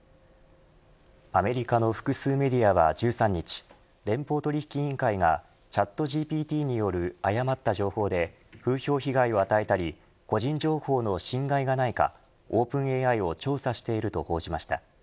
アメリカの複数メディアは１３日連邦取引委員会がチャットＧＰＴによる誤った情報で風評被害を与えたり個人情報の侵害がないかオープンＡＩを調査していると報じました。